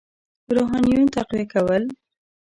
روحانیون تقویه کول.